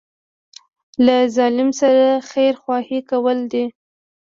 له ظالم سره خیرخواهي کول دي.